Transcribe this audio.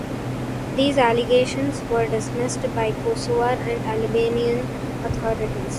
These allegations were dismissed by Kosovar and Albanian authorities.